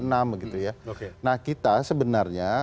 nah kita sebenarnya